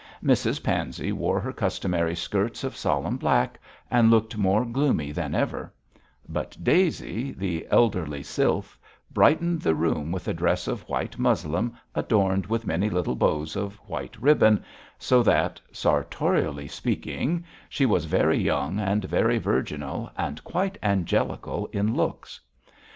Mrs Pansey wore her customary skirts of solemn black, and looked more gloomy than ever; but Daisy, the elderly sylph, brightened the room with a dress of white muslin adorned with many little bows of white ribbon, so that sartorially speaking she was very young, and very virginal, and quite angelical in looks.